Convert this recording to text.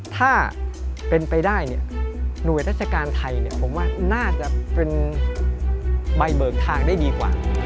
ถ้าเป็นไปได้เนี่ยหน่วยราชการไทยผมว่าน่าจะเป็นใบเบิกทางได้ดีกว่า